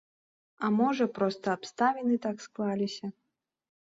А можа, проста абставіны так склаліся.